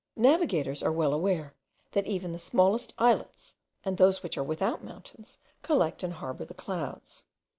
Navigators are well aware that even the smallest islets, and those which are without mountains, collect and harbour the clouds.